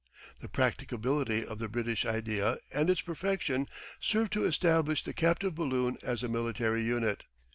The practicability of the British idea and its perfection served to establish the captive balloon as a military unit.